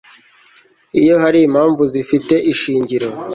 Iyo hari impamvu zifite ishingiro